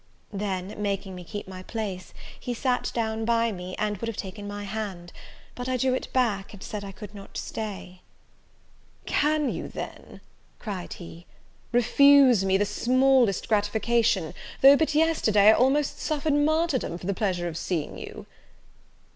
Then, making me keep my place, he sat down by me, and would have taken my hand; but I drew it back, and said I could not stay. "Can you, then," cried he, "refuse me the smallest gratification, though, but yesterday, I almost suffered martyrdom for the pleasure of seeing you?"